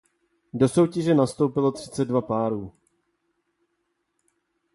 Do soutěže nastoupilo třicet dva párů.